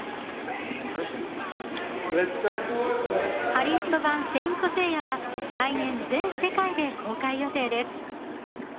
ハリウッド版「聖闘士星矢」は来年全世界で公開予定です。